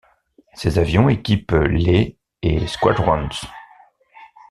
Ces avions équipent les et Squadrons.